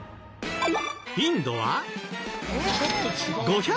インドは。